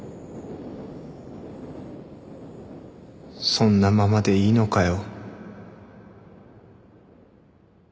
そんなままでいいのかよ？